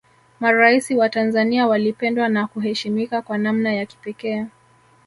maraisi wa tanzania walipendwa na kuheshimika kwa namna ya kipekee